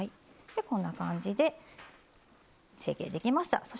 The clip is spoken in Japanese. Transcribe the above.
こんな感じで成形できました。